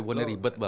bukannya ribet bang